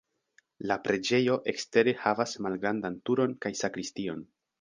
La preĝejo ekstere havas malgrandan turon kaj sakristion.